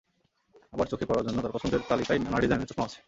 আবার চোখে পরার জন্য তাঁর পছন্দের তালিকায় নানা ডিজাইনের চশমাও আছে।